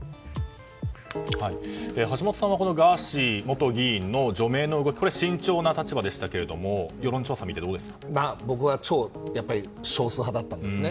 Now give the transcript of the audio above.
橋下さんはガーシー元議員の除名には慎重な立場でしたけど僕は超少数派だったんですね。